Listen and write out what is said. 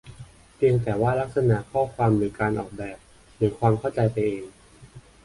เพียงแต่ว่าลักษณะข้อความหรือการออกแบบ หรือความเข้าใจไปเอง